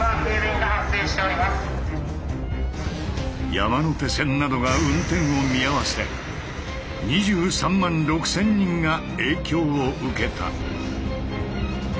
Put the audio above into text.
山手線などが運転を見合わせ２３万６，０００人が影響を受けた。